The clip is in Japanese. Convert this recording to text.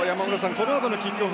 このあとのキックオフ